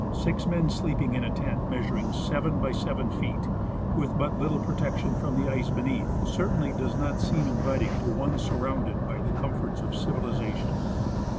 Six men sleeping in a tent measuring seven by seven feet, with but little protection from the ice beneath, certainly does not seem inviting to one sur rounded by the comforts of civilization.